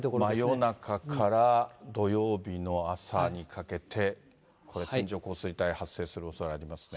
真夜中から土曜日の朝にかけて、これ、線状降水帯が発生するおそれがありますね。